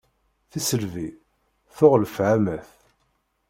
Tiselbi tuγ lefhamat.